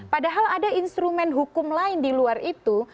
padahal ada instrumen hukum lain di luar itu